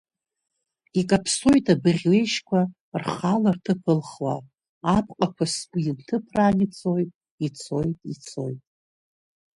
Икаԥсоит абыӷь ҩежьқәа, рхала рҭыԥ ылхуа, аԥҟақәа сгәы инҭыԥраан ицоит, ицоит, ицоит.